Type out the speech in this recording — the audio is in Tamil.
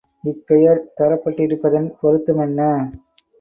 இப்பெயர் தரப்பட்டிருப்பதின் பொருத்தம் என்ன?